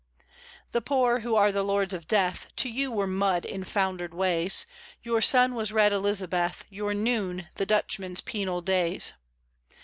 The poor, who are the lords of death, To you were mud in foundered ways; Your sun was red Elizabeth, Your noon, the Dutchman's Penal days.